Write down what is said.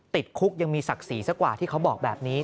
ติดคุกยังมีศักดิ์ศรีสักกว่าที่เขาบอกแบบนี้